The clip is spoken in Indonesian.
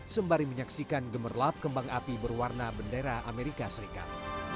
sembari menyaksikan gemerlap kembang api berwarna bendera amerika serikat